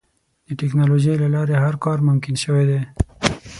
د ټکنالوجۍ له لارې هر کار ممکن شوی دی.